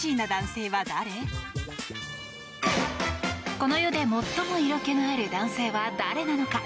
この世で最も色気のある男性は誰なのか。